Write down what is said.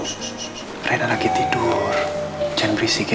soal khusus kebiasaan